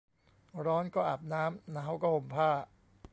ร้อนก็อาบน้ำ หนาวก็ห่มผ้า